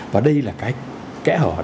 và đây là cái kẽ hở để